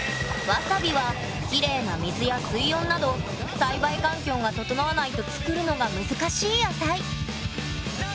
わさびはきれいな水や水温など栽培環境が整わないと作るのが難しい野菜！